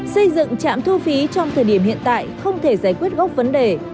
xây dựng trạm thu phí trong thời điểm hiện tại không thể giải quyết gốc vấn đề